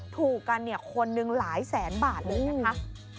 ถูกกันคนหนึ่งหลายแสนบาทเลยนะคะ